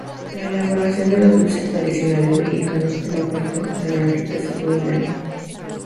La elaboración de los dulces tradicionales mexicanos forma parte de esta gran riqueza culinaria.